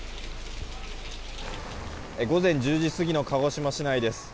午前１０時過ぎの鹿児島市内です。